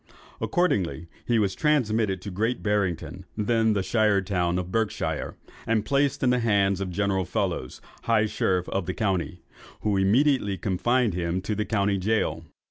Accordingly he was transmitted to Great Barrington, then the shire town of Berkshire, and placed in the hands of General Fellows, high sheriff of the county, who immediately confined him in the county gaol.